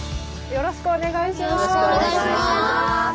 よろしくお願いします。